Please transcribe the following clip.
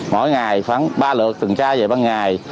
mỗi ngày khoảng ba lượt tuần tra về ban ngày